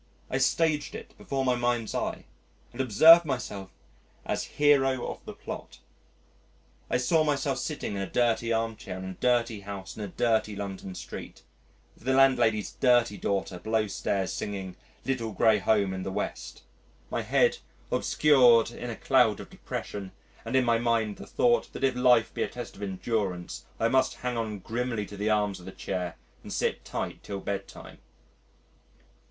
I staged it before my mind's eye and observed myself as hero of the plot. I saw myself sitting in a dirty armchair in a dirty house in a dirty London street, with the landlady's dirty daughter below stairs singing, "Little Grey Home in the West," my head obscured in a cloud of depression, and in my mind the thought that if life be a test of endurance I must hang on grimly to the arms of the chair and sit tight till bedtime.